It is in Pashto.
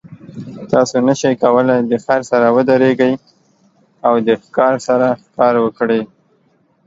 تاسو نشئ کولی د خر سره ودریږئ او د ښکار سره ښکار وکړئ.